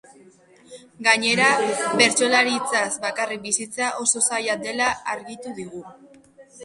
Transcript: Gainera, bertsolaritzaz bakarrik bizitzea oso zaila dela argitu digu.